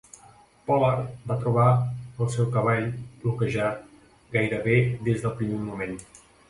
Pollard va trobar el seu cavall bloquejat gairebé des del primer moment.